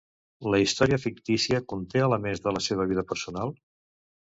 La història fictícia conté elements de la seva vida personal?